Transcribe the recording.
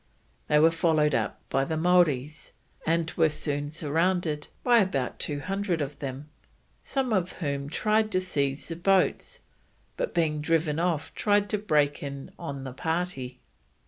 They were followed up by the Maoris, and were soon surrounded by about two hundred of them, some of whom tried to seize the boats, but being driven off tried to break in on the party.